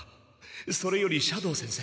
それより斜堂先生